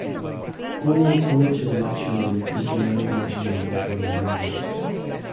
Only illegitimate children could derive nationality from their mothers.